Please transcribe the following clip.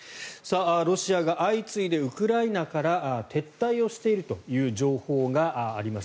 ロシアが相次いでウクライナから撤退をしているという情報があります。